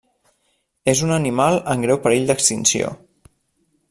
És un animal en greu perill d'extinció.